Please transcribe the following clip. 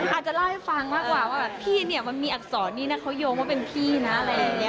อาจจะเล่าให้ฟังมากกว่าว่าพี่เนี่ยมันมีอักษรนี้นะเขาโยงว่าเป็นพี่นะอะไรอย่างนี้